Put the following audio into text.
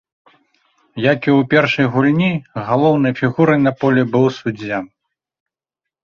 Як і ў першай гульні, галоўнай фігурай на полі быў суддзя.